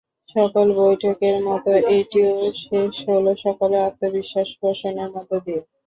সকল বৈঠকের মতো এটিও শেষ হলো সকলের আত্মবিশ্বাস পোষণের মধ্য দিয়ে।